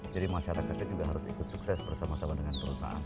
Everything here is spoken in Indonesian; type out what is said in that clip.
jadi masyarakatnya juga harus ikut sukses bersama sama dengan perusahaan